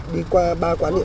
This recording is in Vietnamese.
phúc lộ một mươi